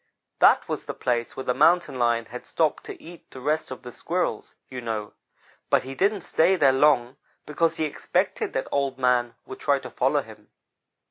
That was the place where the Mountain lion had stopped to eat the rest of the Squirrels, you know; but he didn't stay there long because he expected that Old man would try to follow him.